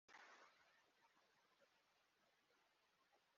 ese witeguye umunsi w’ingenzi